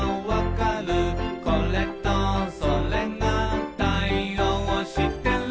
「これとそれが対応してる」